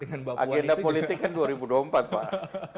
agenda politik kan dua ribu dua puluh empat pak